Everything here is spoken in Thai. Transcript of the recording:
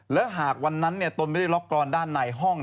และหากวันนั้นตนไม่ได้ล็อกกรอนด้านในห้อง